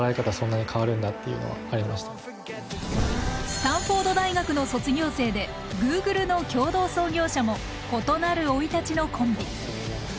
スタンフォード大学の卒業生でＧｏｏｇｌｅの共同創業者も異なる生い立ちのコンビ。